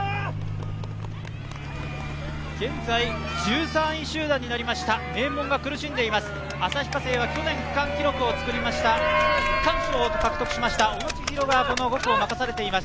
現在１３位集団になりました、名門が苦しんでいます、旭化成は去年区間賞を獲得しました小野知大が５区を任されています。